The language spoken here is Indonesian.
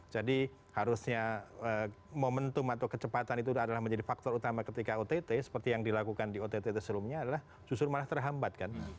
jadi harusnya momentum atau kecepatan itu adalah menjadi faktor utama ketika ott seperti yang dilakukan di ott sebelumnya adalah justru malah terhambat kan